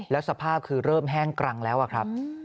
แล้วสภาพคือเริ่มแห้งกรังแล้วอะครับ